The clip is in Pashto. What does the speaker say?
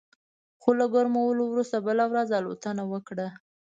خو له ګرمولو وروسته بله ورځ الوتنه وکړه